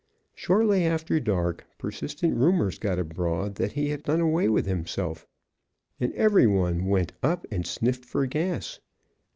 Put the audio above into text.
Shortly after dark persistent rumors got abroad that he had done away with himself, and every one went up and sniffed for gas.